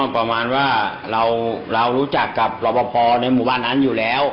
ประมาณว่าเรารู้จักกับรอปภในหมู่บ้านนั้นอยู่แล้ว